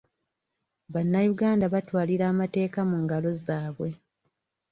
Bannayuganda batwalira amateeka mu ngalo zaabwe.